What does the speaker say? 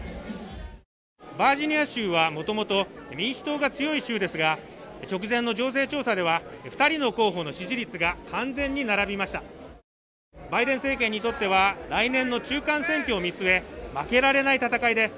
バージニア州はもともと民主党が強い州ですが直前の情勢調査では二人の候補の支持率が完全に並びましたバイデン政権にとっては来年の中間選挙を見据え負けられない戦いです